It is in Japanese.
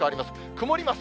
曇ります。